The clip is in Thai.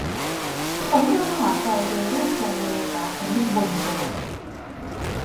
ผมประหลาดใจโดยรูปทรงเรขาคณิตบนสวรรค์